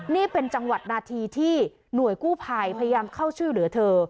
นี่เป็นจังหวัดนาทีที่หน่วยกู้ภัยพยายามเข้าช่วยเหลือเธอ